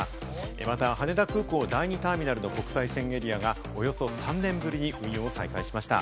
また羽田空港第２ターミナルの国際線エリアがおよそ３年ぶりに運用を再開しました。